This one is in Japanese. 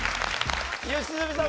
良純さん